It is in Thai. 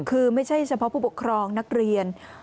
คือไม่ใช่เฉพาะบุคลองนักเรียน